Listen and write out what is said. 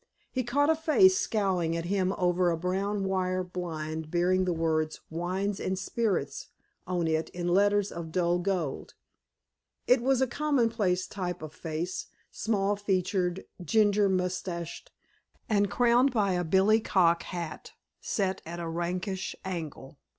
He caught a face scowling at him over a brown wire blind bearing the words "Wines and Spirits" on it in letters of dull gold. It was a commonplace type of face, small featured, ginger moustached, and crowned by a billy cock hat set at a rakish angle.